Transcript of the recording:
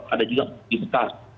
ada juga di petar